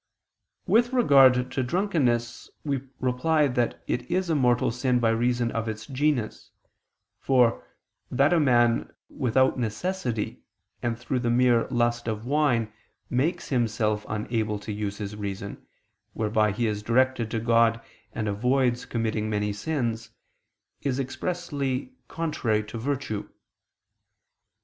With regard to drunkenness we reply that it is a mortal sin by reason of its genus; for, that a man, without necessity, and through the mere lust of wine, make himself unable to use his reason, whereby he is directed to God and avoids committing many sins, is expressly contrary to virtue.